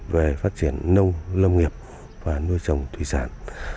về phát triển nông lâm nghiệp và nuôi trồng thủy sản